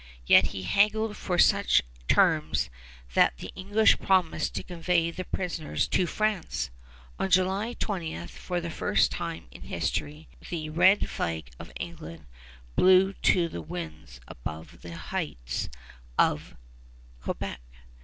Yet he haggled for such terms that the English promised to convey the prisoners to France. On July 20, for the first time in history, the red flag of England blew to the winds above the heights of Quebec.